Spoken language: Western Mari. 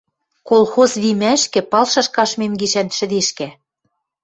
– Колхоз вимӓшкӹ палшаш каштмем гишӓн шӹдешкӓ.